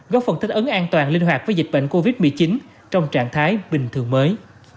góp phần thích ứng an toàn linh hoạt với dịch bệnh covid một mươi chín trong trạng thái bình thường mới